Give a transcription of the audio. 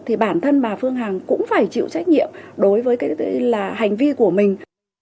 thì bản thân bà phương hằng cũng phải chịu trách nhiệm đối với cái hành vi của mình